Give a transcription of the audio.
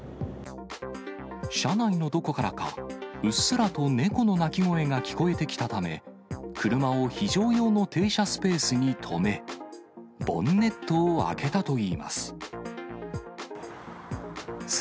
車内のどこからか、うっすらと猫の鳴き声が聞こえてきたため、車を非常用の停車スペースに止め、ボンネットを開けたといいます。